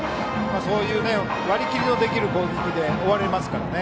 そういう割り切りのできる攻撃で終われますからね。